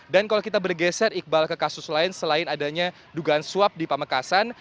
dan kalau kita bergeser iqbal ke kasus lain selain adanya dugaan suap di pamekasan